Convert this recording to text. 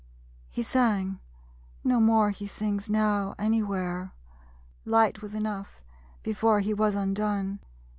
He sang. No more he sings now, anywhere. Light was enough, before he was undone.